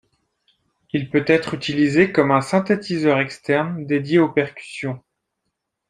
Il peut être utilisé comme un synthétiseur externe dédié aux percussion.